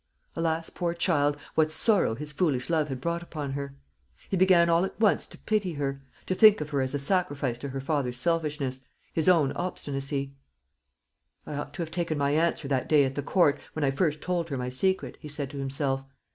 Alas, poor child, what sorrow his foolish love had brought upon her! He began all at once to pity her, to think of her as a sacrifice to her father's selfishness, his own obstinacy. "I ought to have taken my answer that day at the Court, when I first told her my secret," he said to himself.